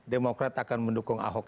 demokrat akan mendukung ahok